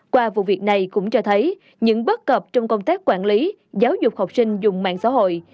qua vụ việc này cũng cho thấy những bất cập trong công tác quản lý giáo dục học sinh dùng mạng xã hội